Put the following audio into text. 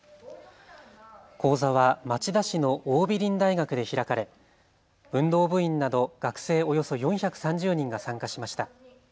講座は町田市の桜美林大学で開かれ運動部員など学生およそ４３０人が参加しました。